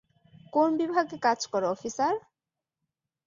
কোন বিভাগে কাজ করো, অফিসার?